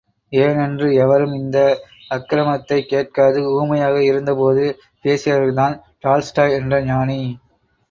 ஏனென்று எவரும் இந்த அக்ரமத்தைக் கேட்காது ஊமையாக இருந்தபோது பேசியவர்தான் டால்ஸ்டாய் என்ற ஞானி!